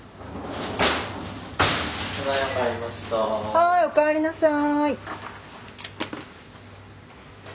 はいおかえりなさい。